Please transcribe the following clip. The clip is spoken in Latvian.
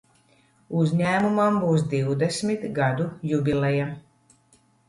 Uzņēmumam būs divdesmit gadu jubileja.